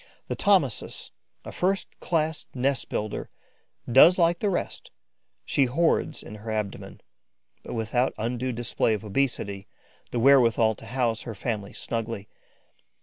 The Thomisus, a first class nest builder, does like the rest: she hoards in her abdomen, but without undue display of obesity, the wherewithal to house her family snugly.